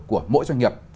của mỗi doanh nghiệp